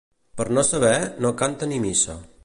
Per no saber, no canta ni missa.